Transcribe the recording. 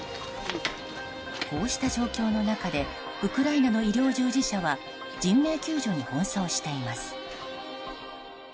こうした状況の中でウクライナの医療従事者は人命救助に奔走しています。